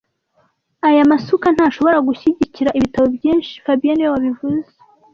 Aya masuka ntashobora gushyigikira ibitabo byinshi fabien niwe wabivuze